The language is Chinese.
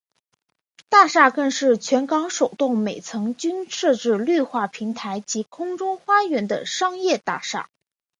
大厦更是全港首幢每层均设置绿化平台及空中花园的商业大厦。